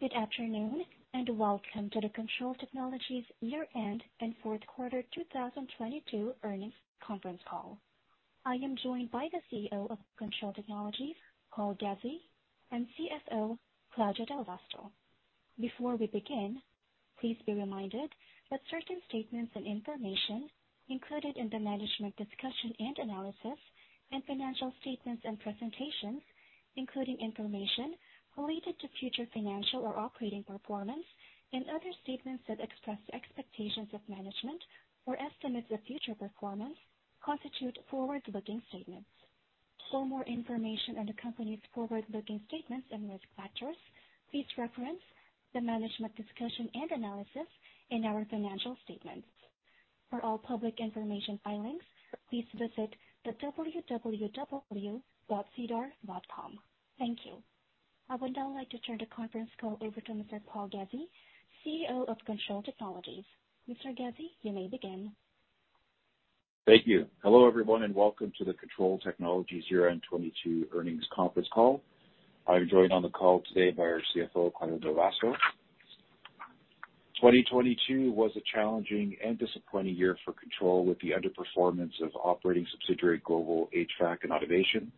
Good afternoon, and welcome to the Kontrol Technologies Year End and Fourth Quarter 2022 Earnings Conference Call. I am joined by the CEO of Kontrol Technologies, Paul Ghezzi, and CFO, Claudio Del Vasto. Before we begin, please be reminded that certain statements and information included in the management discussion and analysis and financial statements and presentations, including information related to future financial or operating performance and other statements that express expectations of management or estimates of future performance constitute forward-looking statements. For more information on the company's forward-looking statements and risk factors, please reference the management discussion and analysis in our financial statements. For all public information filings, please visit the www.sedar.com. Thank you. I would now like to turn the conference call over to Mr. Paul Ghezzi, CEO of Kontrol Technologies. Mr. Ghezzi, you may begin. Thank you. Hello, everyone, and welcome to the Kontrol Technologies year end 2022 Earnings conference call. I'm joined on the call today by our CFO, Claudio Del Vasto. 2022 was a challenging and disappointing year for Kontrol with the underperformance of operating subsidiary, Global HVAC & Automation.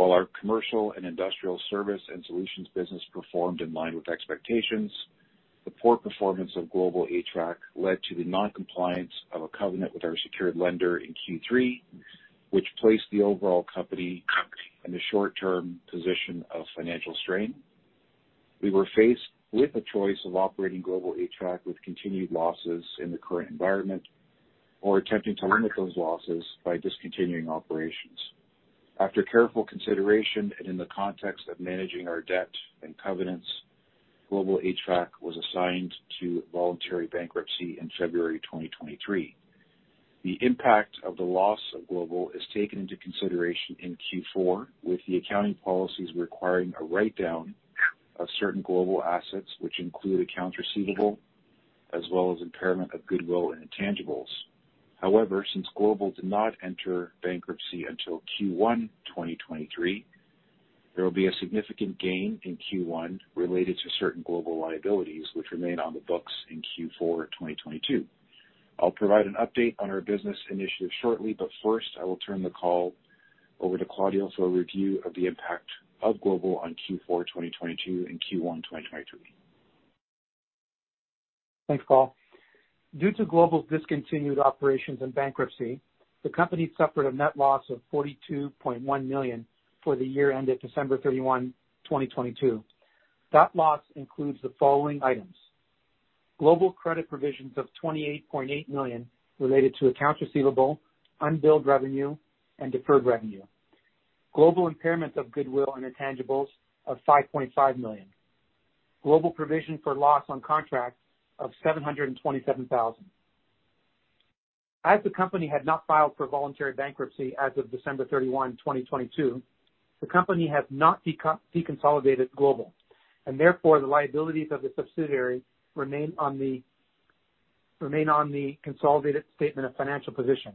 While our commercial and industrial service and solutions business performed in line with expectations, the poor performance of Global HVAC led to the non-compliance of a covenant with our secured lender in Q3, which placed the overall company in the short-term position of financial strain. We were faced with a choice of operating Global HVAC with continued losses in the current environment or attempting to limit those losses by discontinuing operations. After careful consideration and in the context of managing our debt and covenants, Global HVAC was assigned to voluntary bankruptcy in February 2023. The impact of the loss of Global is taken into consideration in Q4, with the accounting policies requiring a write-down of certain Global assets, which include accounts receivable as well as impairment of goodwill and intangibles. However, since Global did not enter bankruptcy until Q1 2023, there will be a significant gain in Q1 related to certain Global liabilities which remain on the books in Q4 of 2022. I'll provide an update on our business initiative shortly, but first, I will turn the call over to Claudio for a review of the impact of Global on Q4 2022 and Q1 2023. Thanks, Paul. Due to Global's discontinued operations and bankruptcy, the company suffered a net loss of 42.1 million for the year ended December 31, 2022. That loss includes the following items: Global credit provisions of 28.8 million related to accounts receivable, unbilled revenue, and deferred revenue. Global impairment of goodwill and intangibles of 5.5 million. Global provision for loss on contract of 727,000. As the company had not filed for voluntary bankruptcy as of December 31, 2022, the company has not deconsolidated Global, and therefore, the liabilities of the subsidiary remain on the consolidated statement of financial position.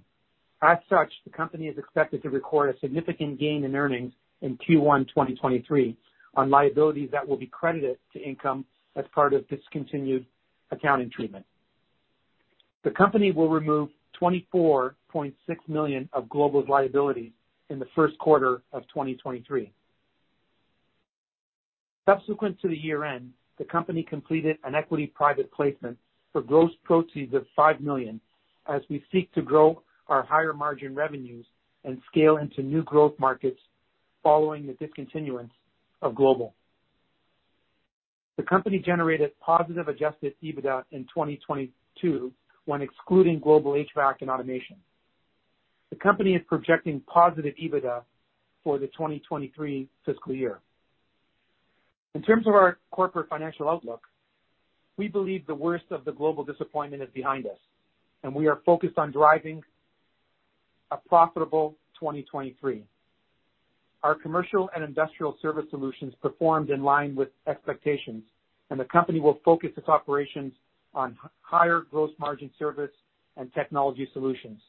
As such, the company is expected to record a significant gain in earnings in Q1 2023 on liabilities that will be credited to income as part of discontinued accounting treatment. The company will remove 24.6 million of Global's liability in the first quarter of 2023. Subsequent to the year-end, the company completed an equity private placement for gross proceeds of five million as we seek to grow our higher margin revenues and scale into new growth markets following the discontinuance of Global. The company generated positive adjusted EBITDA in 2022 when excluding Global HVAC & Automation. The company is projecting positive EBITDA for the 2023 fiscal year. In terms of our corporate financial outlook, we believe the worst of the Global disappointment is behind us, and we are focused on driving a profitable 2023. Our commercial and industrial service solutions performed in line with expectations, and the company will focus its operations on higher gross margin service and technology solutions.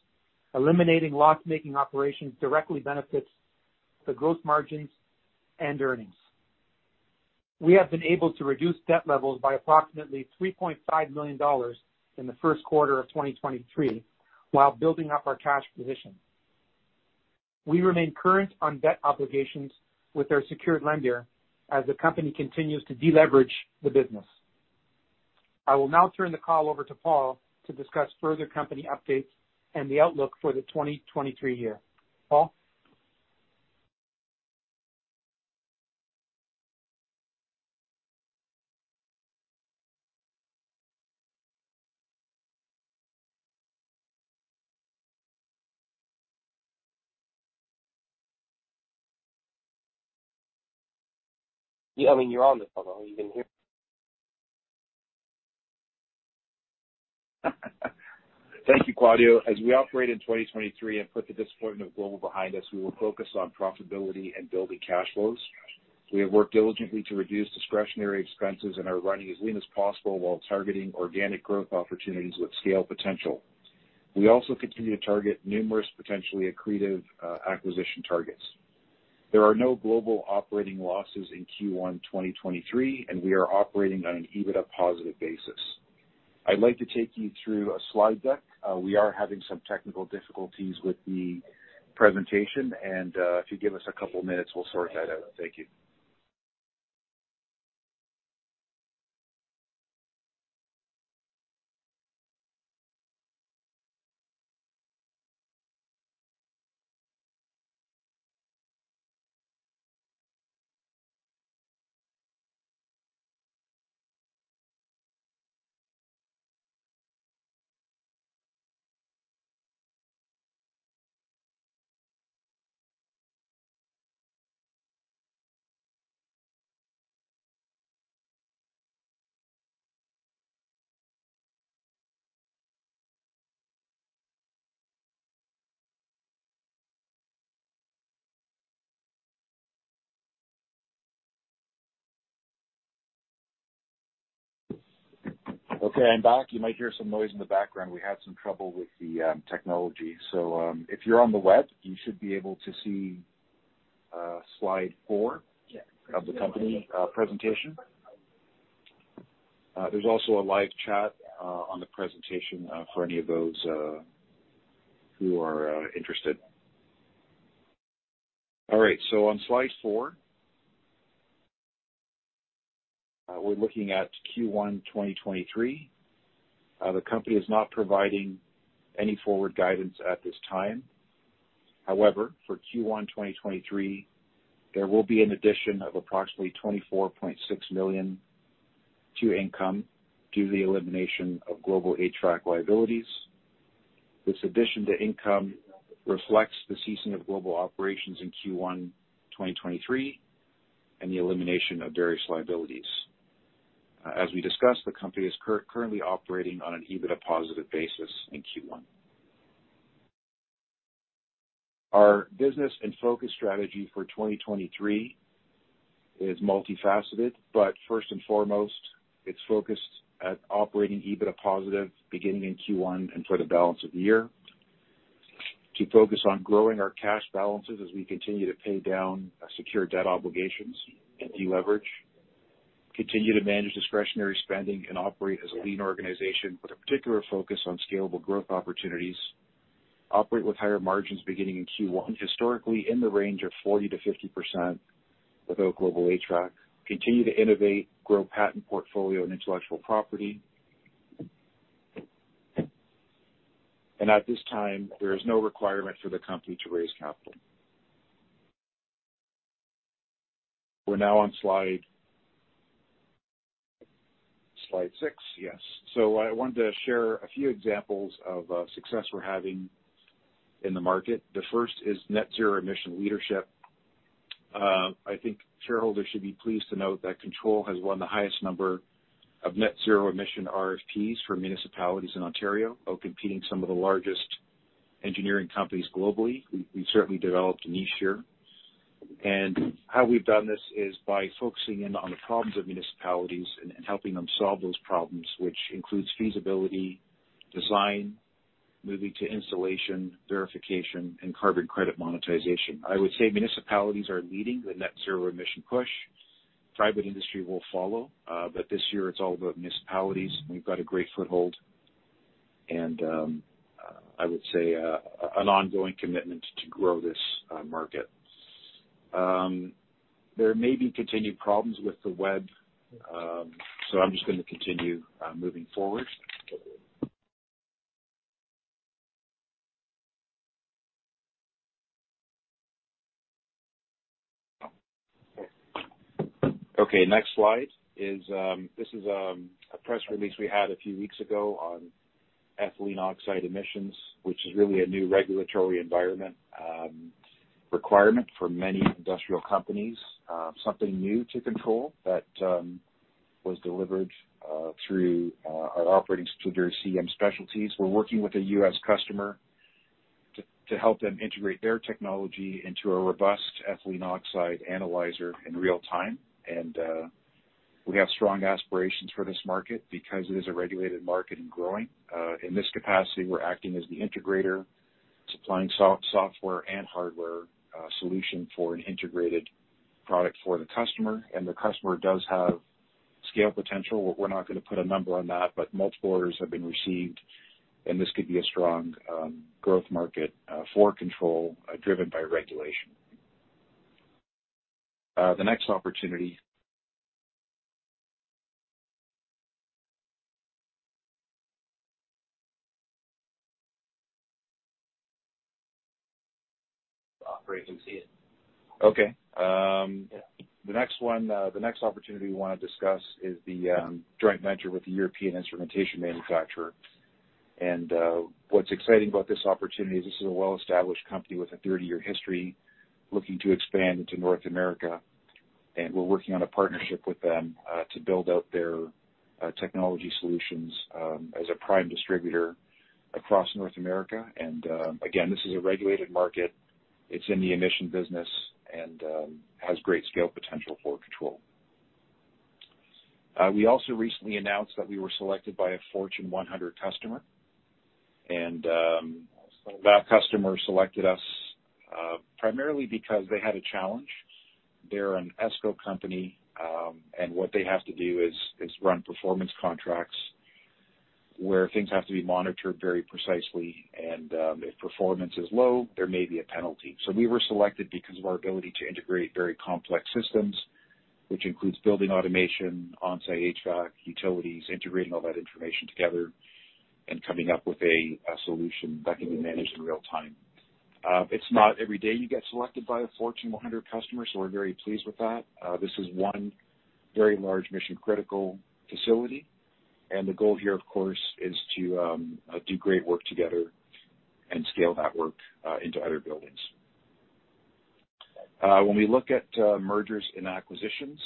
Eliminating loss-making operations directly benefits the gross margins and earnings. We have been able to reduce debt levels by approximately 3.5 million dollars in the first quarter of 2023 while building up our cash position. We remain current on debt obligations with our secured lender as the company continues to deleverage the business. I will now turn the call over to Paul to discuss further company updates and the outlook for the 2023 year. Paul? Yeah. I mean, you're on the phone. Are you gonna hear? Thank you, Claudio. As we operate in 2023 and put the disappointment of Global behind us, we will focus on profitability and building cash flows. We have worked diligently to reduce discretionary expenses and are running as lean as possible while targeting organic growth opportunities with scale potential. We also continue to target numerous potentially accretive acquisition targets. There are no global operating losses in Q1 2023, and we are operating on an EBITDA positive basis. I'd like to take you through a slide deck. We are having some technical difficulties with the presentation, and if you give us a couple minutes, we'll sort that out. Thank you. Okay, I'm back. You might hear some noise in the background. We had some trouble with the technology. If you're on the web, you should be able to see slide four of the company presentation. There's also a live chat on the presentation for any of those who are interested. On slide four, we're looking at Q1 2023. The company is not providing any forward guidance at this time. However, for Q1 2023, there will be an addition of approximately $24.6 million to income due to the elimination of Global earn-out liabilities. This addition to income reflects the ceasing of global operations in Q1 2023 and the elimination of various liabilities. As we discussed, the company is currently operating on an EBITDA positive basis in Q1. Our business and focus strategy for 2023 is multifaceted, but first and foremost, it's focused at operating EBITDA positive beginning in Q1 and for the balance of the year. To focus on growing our cash balances as we continue to pay down our secure debt obligations and deleverage. Continue to manage discretionary spending and operate as a lean organization with a particular focus on scalable growth opportunities. Operate with higher margins beginning in Q1, historically in the range of 40%-50% without Global HVAC. Continue to innovate, grow patent portfolio and intellectual property. At this time, there is no requirement for the company to raise capital. We're now on slide six. Yes. I wanted to share a few examples of success we're having in the market. The first is net zero emissions leadership. I think shareholders should be pleased to note that Kontrol has won the highest number of net zero emissions RFPs for municipalities in Ontario, outcompeting some of the largest engineering companies globally. We certainly developed a niche here. How we've done this is by focusing in on the problems of municipalities and helping them solve those problems, which includes feasibility, design, moving to installation, verification, and carbon credit monetization. I would say municipalities are leading the net zero emissions push. Private industry will follow, but this year it's all about municipalities, and we've got a great foothold and I would say an ongoing commitment to grow this market. There may be continued problems with the web, so I'm just gonna continue moving forward. Okay, next slide is, this is a press release we had a few weeks ago on ethylene oxide emissions, which is really a new regulatory environment, requirement for many industrial companies. Something new to Kontrol that was delivered through our operating subsidiary, CEM Specialties. We're working with a U.S. customer to help them integrate their technology into a robust ethylene oxide analyzer in real time. We have strong aspirations for this market because it is a regulated market and growing. In this capacity, we're acting as the integrator, supplying software and hardware, solution for an integrated product for the customer. The customer does have scale potential. We're not gonna put a number on that, but multiple orders have been received. This could be a strong growth market for Kontrol, driven by regulation. The next opportunity. Operating, see it. Okay. The next one, the next opportunity we wanna discuss is the joint venture with the European instrumentation manufacturer. What's exciting about this opportunity is this is a well-established company with a 30-year history looking to expand into North America, and we're working on a partnership with them to build out their technology solutions as a prime distributor across North America. Again, this is a regulated market. It's in the emission business and has great scale potential for Kontrol. We also recently announced that we were selected by a Fortune 100 customer, and that customer selected us primarily because they had a challenge. They're an ESCO company, what they have to do is run performance contracts where things have to be monitored very precisely and, if performance is low, there may be a penalty. We were selected because of our ability to integrate very complex systems, which includes building automation, on-site HVAC, utilities, integrating all that information together and coming up with a solution that can be managed in real time. It's not every day you get selected by a Fortune 100 customer, so we're very pleased with that. This is one very large mission-critical facility, and the goal here, of course, is to do great work together and scale that work into other buildings. When we look at mergers and acquisitions,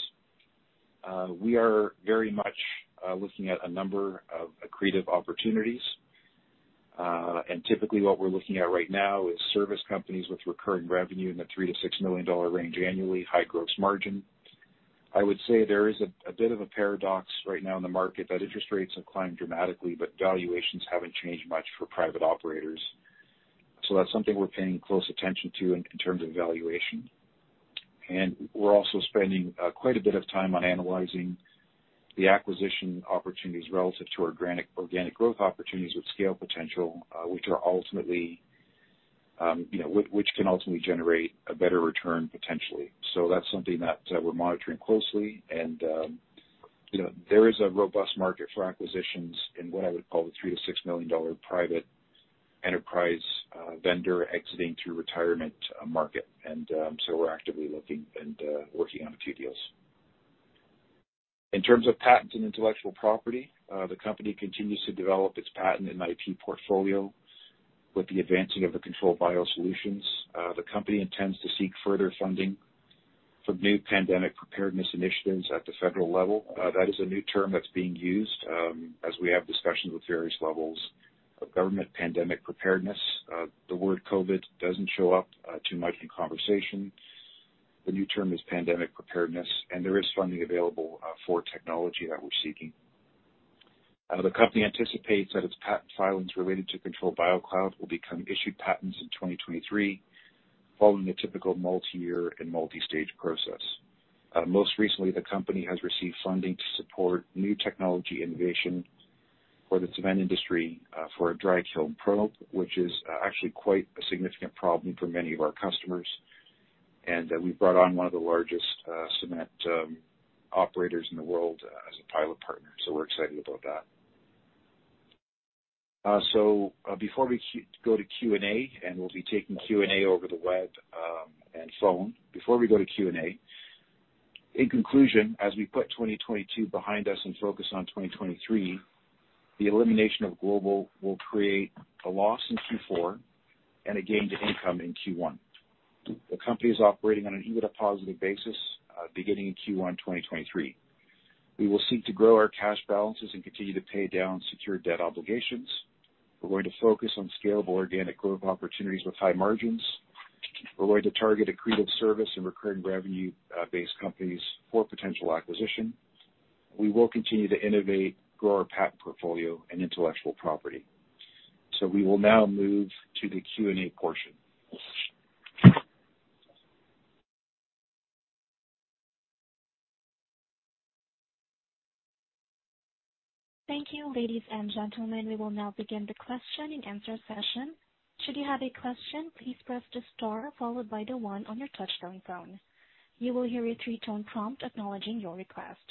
we are very much looking at a number of accretive opportunities. Typically what we're looking at right now is service companies with recurring revenue in the three million-CAD six million dollar range annually, high gross margin. I would say there is a bit of a paradox right now in the market that interest rates have climbed dramatically, but valuations haven't changed much for private operators. That's something we're paying close attention to in terms of valuation. We're also spending quite a bit of time on analyzing the acquisition opportunities relative to our organic growth opportunities with scale potential, which are ultimately, you know, which can ultimately generate a better return potentially. That's something that we're monitoring closely. You know, there is a robust market for acquisitions in what I would call the three million-CAD six million dollar private enterprise vendor exiting through retirement market. We're actively looking and working on a few deals. In terms of patents and intellectual property, the company continues to develop its patent and IP portfolio with the advancing of the Kontrol BioWater. The company intends to seek further funding for new pandemic preparedness initiatives at the federal level. That is a new term that's being used as we have discussions with various levels of government pandemic preparedness. The word COVID doesn't show up too much in conversation. The new term is pandemic preparedness, and there is funding available for technology that we're seeking. The company anticipates that its patent filings related to Kontrol BioCloud will become issued patents in 2023, following the typical multi-year and multi-stage process. Most recently, the company has received funding to support new technology innovation for the cement industry, for a Dry Kiln Probe, which is actually quite a significant problem for many of our customers. We've brought on one of the largest cement operators in the world, as a pilot partner. We're excited about that. Before we go to Q&A, and we'll be taking Q&A over the web and phone. Before we go to Q&A, in conclusion, as we put 2022 behind us and focus on 2023, the elimination of Global will create a loss in Q4 and a gain to income in Q1. The company is operating on an EBITDA positive basis, beginning in Q1, 2023. We will seek to grow our cash balances and continue to pay down secured debt obligations. We're going to focus on scalable organic growth opportunities with high margins. We're going to target accretive service and recurring revenue, based companies for potential acquisition. We will continue to innovate, grow our patent portfolio and intellectual property. We will now move to the Q&A portion. Thank you, ladies and gentlemen. We will now begin the question and answer session. Should you have a question, please press the star followed by the one on your touchtone phone. You will hear a three-tone prompt acknowledging your request.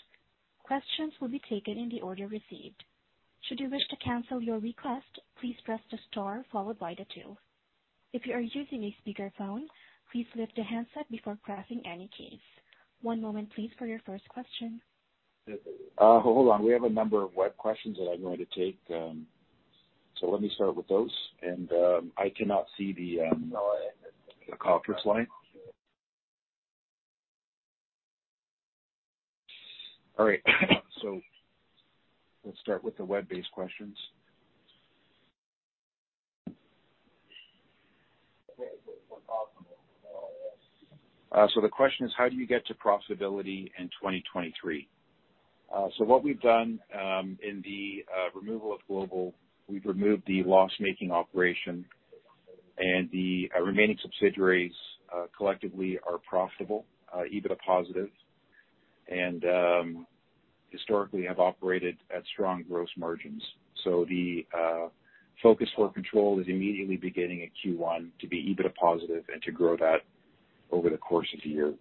Questions will be taken in the order received. Should you wish to cancel your request, please press the star followed by the two. If you are using a speakerphone, please lift the handset before pressing any keys. One moment, please, for your first question. Hold on. We have a number of web questions that I'm going to take. Let me start with those. I cannot see the conference line. All right. Let's start with the web-based questions. The question is: How do you get to profitability in 2023? What we've done in the removal of Global, we've removed the loss-making operation, and the remaining subsidiaries collectively are profitable, EBITDA positive, and historically have operated at strong gross margins. The focus for Kontrol is immediately beginning in Q1 to be EBITDA positive and to grow that over the course of the year.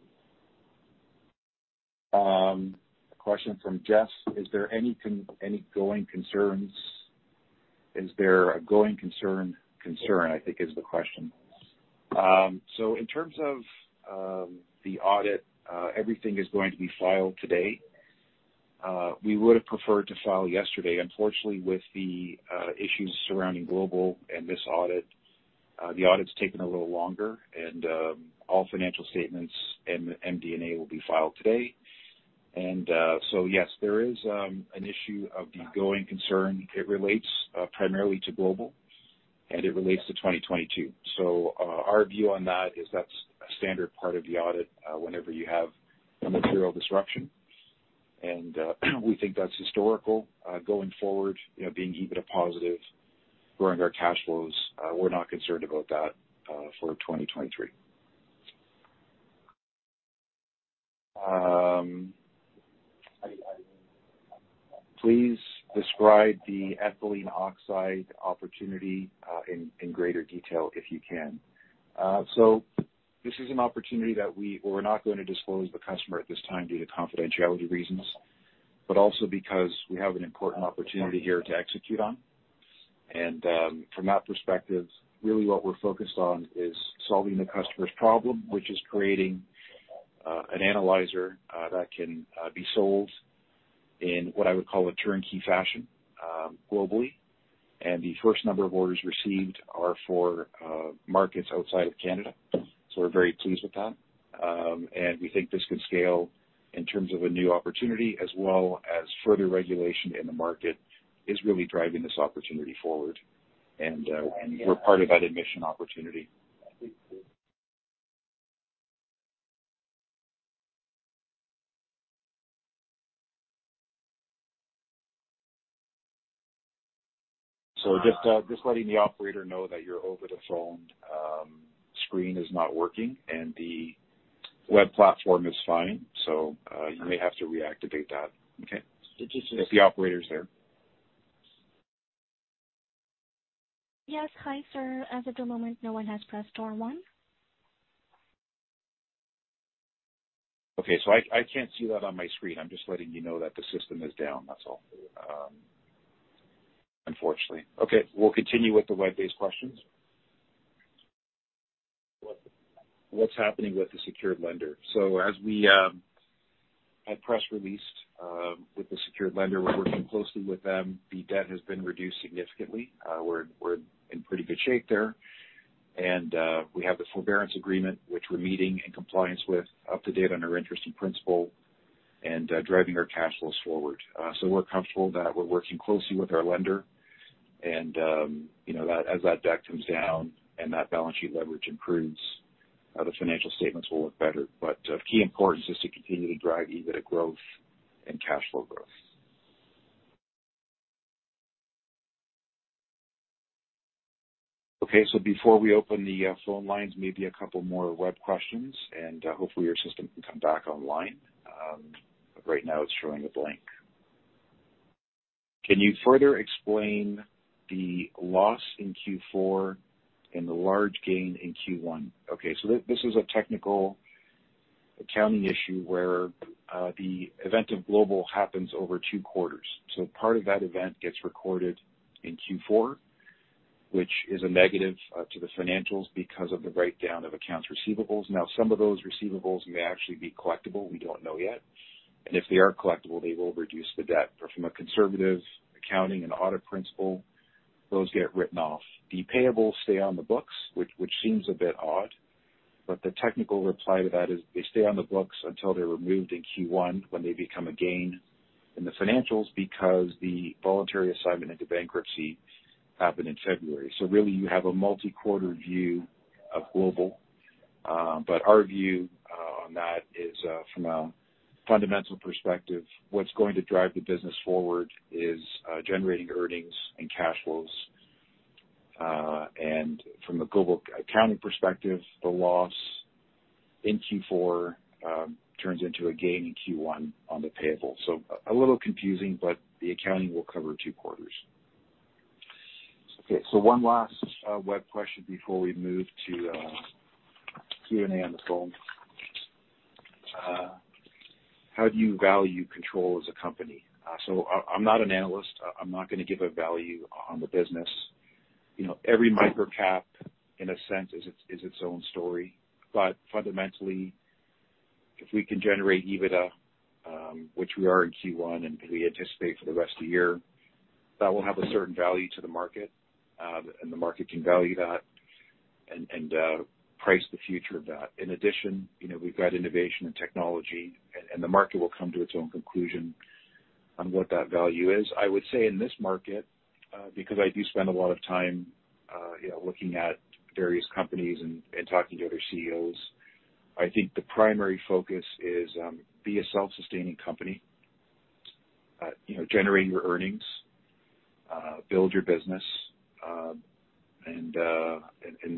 A question from Jess: Is there any going concerns? Is there a going concern, I think is the question. In terms of the audit, everything is going to be filed today. We would have preferred to file yesterday. Unfortunately, with the issues surrounding Global and this audit, the audit's taken a little longer and all financial statements and MD&A will be filed today. Yes, there is an issue of the going concern. It relates primarily to Global. And it relates to 2022. Our view on that is that's a standard part of the audit, whenever you have a material disruption. We think that's historical, going forward, you know, being EBITDA positive, growing our cash flows, we're not concerned about that for 2023. Please describe the ethylene oxide opportunity in greater detail, if you can. This is an opportunity that we're not gonna disclose the customer at this time due to confidentiality reasons, but also because we have an important opportunity here to execute on. From that perspective, really what we're focused on is solving the customer's problem, which is creating an analyzer that can be sold in what I would call a turnkey fashion globally. The first number of orders received are for markets outside of Canada. We're very pleased with that. We think this could scale in terms of a new opportunity as well as further regulation in the market is really driving this opportunity forward. We're part of that emission opportunity. Just letting the operator know that your over-the-phone screen is not working and the web platform is fine. You may have to reactivate that. Okay? If the operator's there. Yes. Hi, sir. As of the moment, no one has pressed star one. Okay. I can't see that on my screen. I'm just letting you know that the system is down, that's all. Unfortunately. Okay. We'll continue with the web-based questions. What's happening with the secured lender? As we had press released, with the secured lender, we're working closely with them. The debt has been reduced significantly. We're in pretty good shape there. We have the forbearance agreement, which we're meeting in compliance with up to date on our interest and principal and driving our cash flows forward. We're comfortable that we're working closely with our lender and, you know, that as that debt comes down and that balance sheet leverage improves, the financial statements will look better. Key importance is to continue to drive EBITDA growth and cash flow growth. Before we open the phone lines, maybe a couple more web questions, hopefully your system can come back online. Right now it's showing a blank. Can you further explain the loss in Q4 and the large gain in Q1? This is a technical accounting issue where the event of Global happens over two quarters. Part of that event gets recorded in Q4, which is a negative to the financials because of the breakdown of accounts receivables. Some of those receivables may actually be collectible. We don't know yet. If they are collectible, they will reduce the debt. From a conservative accounting and audit principle, those get written off. The payables stay on the books, which seems a bit odd. The technical reply to that is they stay on the books until they're removed in Q1 when they become a gain in the financials because the voluntary assignment into bankruptcy happened in February. Really you have a multi-quarter view of Global. Our view on that is from a fundamental perspective, what's going to drive the business forward is generating earnings and cash flows. From a global accounting perspective, the loss in Q4 turns into a gain in Q1 on the payable. A little confusing. The accounting will cover two quarters. one last web question before we move to Q&A on the phone. How do you value Kontrol as a company? I'm not an analyst. I'm not gonna give a value on the business. You know, every microcap, in a sense, is its own story. Fundamentally, if we can generate EBITDA, which we are in Q1, and we anticipate for the rest of the year, that will have a certain value to the market, and the market can value that and price the future of that. In addition, you know, we've got innovation and technology and the market will come to its own conclusion on what that value is. I would say in this market, because I do spend a lot of time, you know, looking at various companies and talking to other CEOs, I think the primary focus is be a self-sustaining company. You know, generate your earnings, build your business.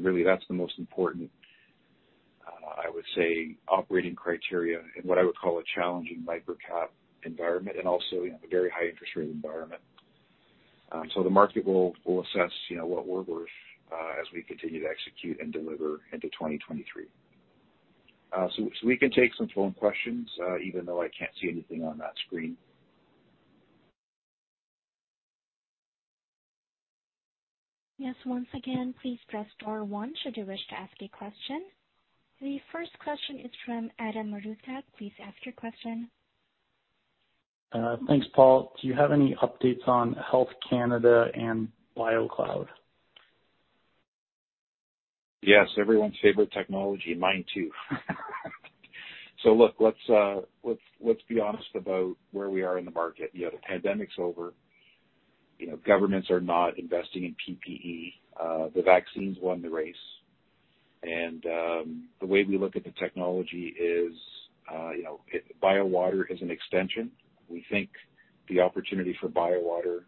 Really that's the most important, I would say operating criteria in what I would call a challenging microcap environment and also, you know, a very high interest rate environment. The market will assess, you know, what we're worth as we continue to execute and deliver into 2023. We can take some phone questions even though I can't see anything on that screen. Yes. Once again, please press star one should you wish to ask a question. The first question is from Adam Rutkav. Please ask your question. Thanks, Paul. Do you have any updates on Health Canada and BioCloud? Yes, everyone's favorite technology, mine too. Look, let's be honest about where we are in the market. You know, the pandemic's over. You know, governments are not investing in PPE. The vaccines won the race. The way we look at the technology is, you know, BioWater is an extension. We think the opportunity for BioWater,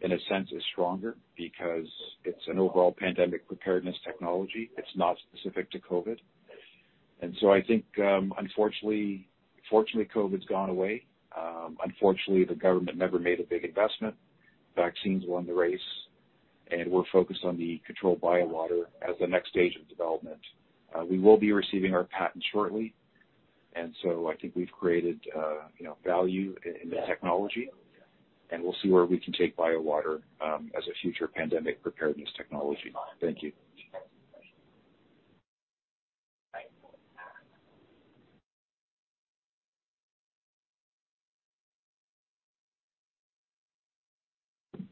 in a sense, is stronger because it's an overall pandemic preparedness technology. It's not specific to COVID. I think, Fortunately, COVID's gone away. Unfortunately, the government never made a big investment. Vaccines won the race, and we're focused on the Kontrol BioWater as the next stage of development. We will be receiving our patent shortly, and so I think we've created, you know, value in the technology, and we'll see where we can take BioWater as a future pandemic preparedness technology. Thank you.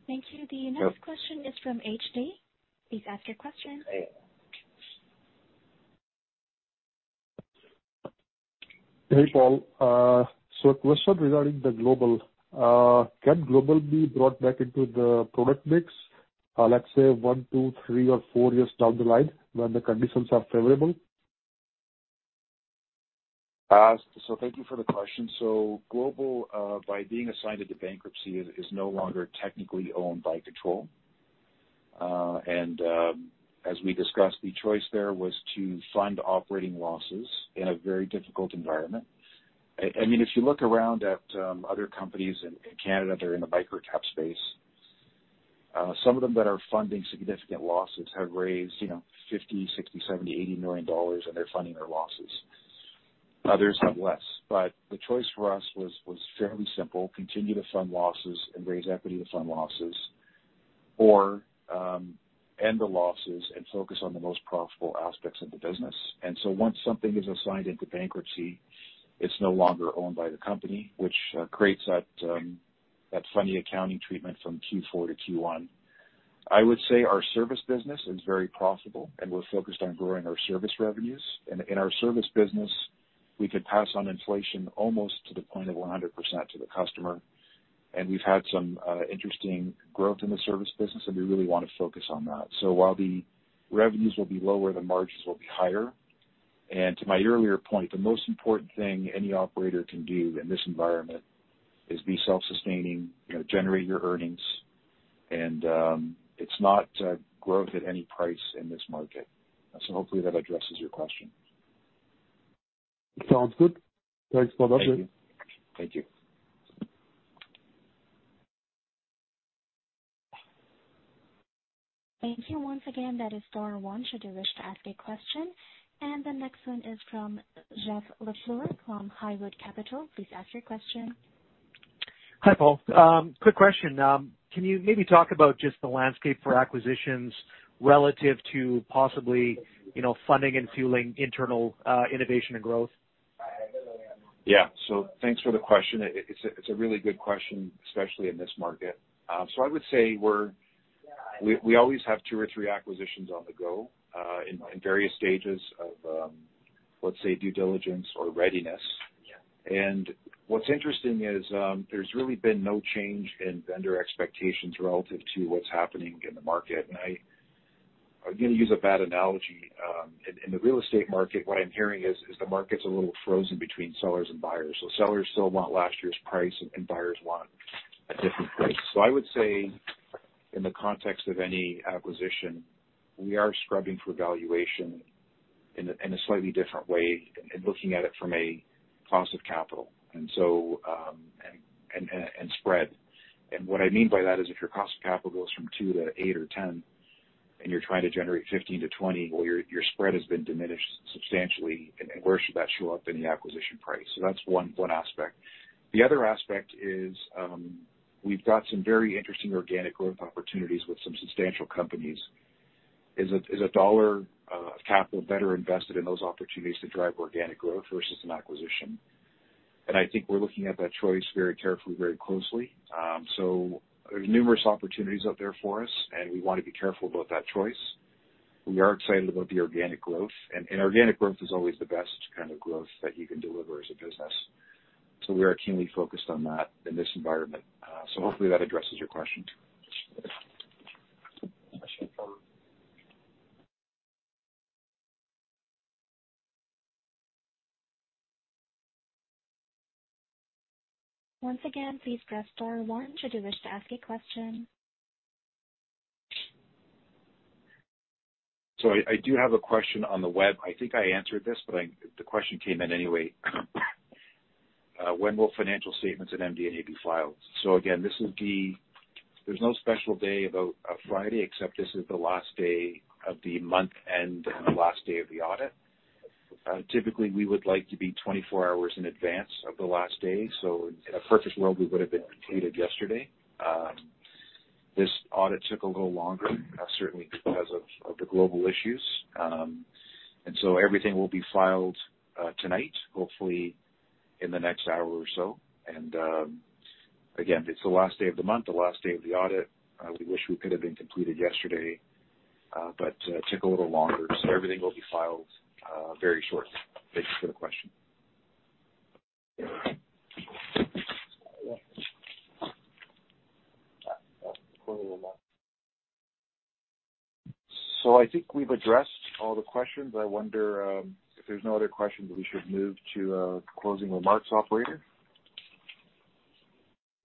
Thank you. The next question is from HD. Please ask your question. Hey, Paul. A question regarding the Global. Can Global be brought back into the product mix, let's say one to three or four years down the line when the conditions are favorable? Thank you for the question. Global, by being assigned into bankruptcy is no longer technically owned by Kontrol. As we discussed, the choice there was to fund operating losses in a very difficult environment. I mean, if you look around at other companies in Canada that are in the microcap space, some of them that are funding significant losses have raised, you know, 50 million, 60 million, 70 million, 80 million dollars, and they're funding their losses. Others have less. The choice for us was fairly simple. Continue to fund losses and raise equity to fund losses or end the losses and focus on the most profitable aspects of the business. Once something is assigned into bankruptcy, it's no longer owned by the company, which creates that funny accounting treatment from Q4 to Q1. I would say our service business is very profitable, and we're focused on growing our service revenues. In our service business, we could pass on inflation almost to the point of 100% to the customer. We've had some interesting growth in the service business, and we really wanna focus on that. While the revenues will be lower, the margins will be higher. To my earlier point, the most important thing any operator can do in this environment is be self-sustaining, you know, generate your earnings, and it's not growth at any price in this market. Hopefully that addresses your question. Sounds good. Thanks for that. Thank you. Thank you. Thank you. Once again, that is star one should you wish to ask a question. The next one is from Geoff LaFleur from Highwood Capital. Please ask your question. Hi, Paul. Quick question. Can you maybe talk about just the landscape for acquisitions relative to possibly, you know, funding and fueling internal innovation and growth? Yeah. Thanks for the question. It's a really good question, especially in this market. I would say we always have two or three acquisitions on the go, in various stages of, let's say due diligence or readiness. What's interesting is, there's really been no change in vendor expectations relative to what's happening in the market. I am gonna use a bad analogy. In the real estate market, what I'm hearing is the market's a little frozen between sellers and buyers. Sellers still want last year's price and buyers want a different price. I would say in the context of any acquisition, we are scrubbing for valuation in a slightly different way and looking at it from a cost of capital. And spread. What I mean by that is if your cost of capital goes from two to eight or 10 and you're trying to generate 15 to 20, well, your spread has been diminished substantially, and where should that show up in the acquisition price? That's one aspect. The other aspect is, we've got some very interesting organic growth opportunities with some substantial companies. Is a dollar of capital better invested in those opportunities to drive organic growth versus an acquisition? I think we're looking at that choice very carefully, very closely. There are numerous opportunities out there for us, and we want to be careful about that choice. We are excited about the organic growth and organic growth is always the best kind of growth that you can deliver as a business. We are keenly focused on that in this environment. Hopefully that addresses your question. Once again, please press star one should you wish to ask a question. I do have a question on the web. I think I answered this. The question came in anyway. When will financial statements at MD&A be filed? Again, there's no special day about Friday except this is the last day of the month and the last day of the audit. Typically, we would like to be 24 hours in advance of the last day. In a perfect world, we would have been completed yesterday. This audit took a little longer, certainly because of the Global issues. Everything will be filed tonight, hopefully in the next hour or so. Again, it's the last day of the month, the last day of the audit. We wish we could have been completed yesterday, but took a little longer. Everything will be filed very shortly. Thanks for the question. I think we've addressed all the questions. I wonder, if there's no other questions, we should move to closing remarks, operator.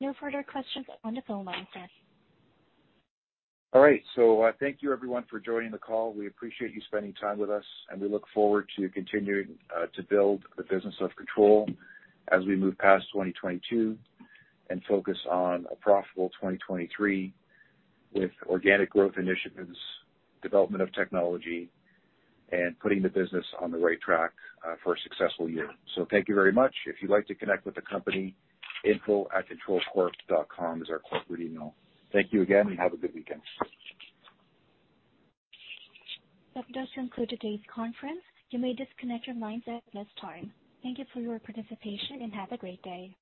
No further questions on the phone line, sir. All right. Thank you everyone for joining the call. We appreciate you spending time with us, and we look forward to continuing to build the business of Kontrol as we move past 2022 and focus on a profitable 2023 with organic growth initiatives, development of technology, and putting the business on the right track for a successful year. Thank you very much. If you'd like to connect with the company, info@kontrolcorp.com is our corporate email. Thank you again, and have a good weekend. That does conclude today's conference. You may disconnect your lines at this time. Thank you for your participation, and have a great day.